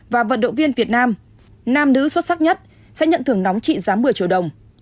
và vận động viên việt nam nam nữ xuất sắc nhất sẽ nhận thưởng nóng trị giá một mươi triệu đồng